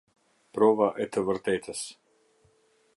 Prova e të vërtetës.